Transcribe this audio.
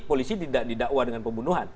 polisi tidak didakwa dengan pembunuhan